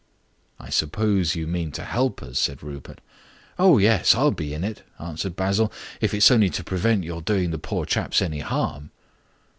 "I suppose you mean to help us?" said Rupert. "Oh, yes, I'll be in it," answered Basil, "if it's only to prevent your doing the poor chaps any harm."